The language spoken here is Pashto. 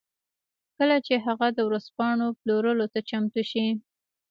کله چې هغه د ورځپاڼو پلورلو ته چمتو شي